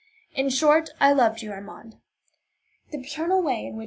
In short, I loved you, Armand. The paternal way in which M.